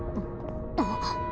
あっ。